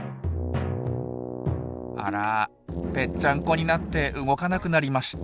あらぺっちゃんこになって動かなくなりました。